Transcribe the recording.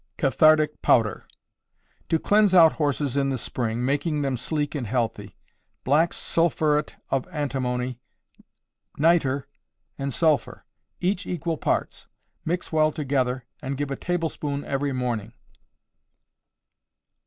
Cathartic Powder. To cleanse out horses in the spring, making them sleek and healthy; black sulphuret of antimony, nitre, and sulphur, each equal parts. Mix well together, and give a tablespoonful every morning.